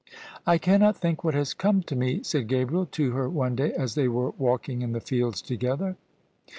" I cannot think what has come to me," said Gabriel to her one day as they were walking in the fields together.